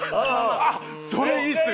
あっそれいいです！